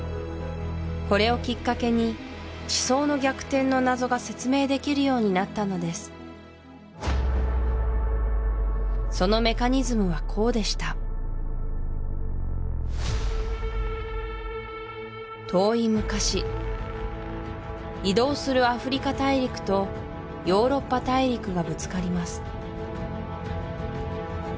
これをきっかけに地層の逆転の謎が説明できるようになったのですそのメカニズムはこうでした遠い昔移動するアフリカ大陸とヨーロッパ大陸がぶつかります